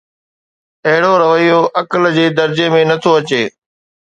اهڙو رويو عقل جي درجي ۾ نه ٿو اچي.